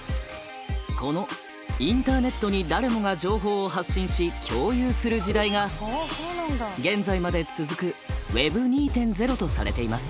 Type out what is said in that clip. このインターネットに誰もが情報を発信し共有する時代が現在まで続く